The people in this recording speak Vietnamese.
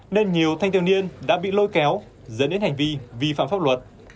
nên nhiều thanh thiếu niên đã bị lôi kéo dẫn đến hành vi vi phạm pháp luật